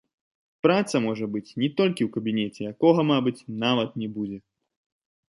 Праца можа быць не толькі ў кабінеце, якога, мабыць, нават не будзе.